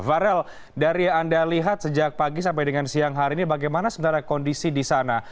farel dari yang anda lihat sejak pagi sampai dengan siang hari ini bagaimana sebenarnya kondisi di sana